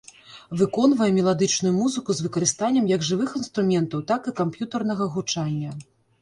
Выконвае меладычную музыку з выкарыстаннем як жывых інструментаў, так і камп'ютарнага гучання.